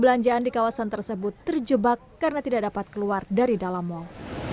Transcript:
belanjaan di kawasan tersebut terjebak karena tidak dapat keluar dari dalam mal